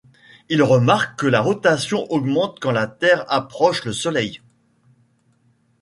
Il remarque que la rotation augmente quand la Terre approche le Soleil.